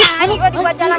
kalau dibawa jalan jalan